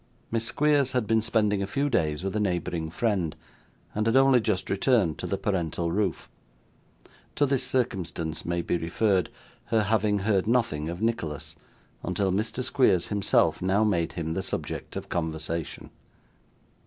Miss Squeers had been spending a few days with a neighbouring friend, and had only just returned to the parental roof. To this circumstance may be referred, her having heard nothing of Nicholas, until Mr. Squeers himself now made him the subject of conversation.